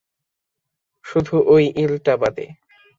শুধু ওই ইলটা বাদে।